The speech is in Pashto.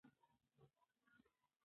ښځې په مېندوارۍ کې ځینې خواړه خوښوي.